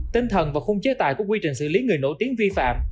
tinh thần và khung chế tài của quy trình xử lý người nổi tiếng vi phạm